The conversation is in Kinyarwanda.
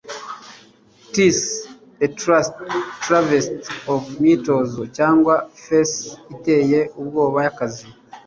Tis a trasty travesty of myitozo cyangwa farce iteye ubwoba yakazi